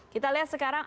kita lihat sekarang